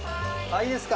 いいですか？